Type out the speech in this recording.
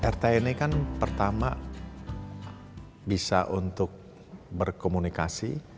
rt ini kan pertama bisa untuk berkomunikasi